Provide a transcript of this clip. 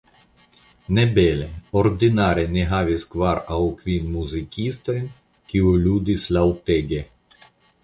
Ne bele, ordinare ni havis kvar aŭ kvin muzikistojn, kiuj ludis laŭtege.